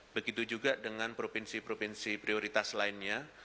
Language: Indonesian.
begitu juga dengan provinsi provinsi prioritas lainnya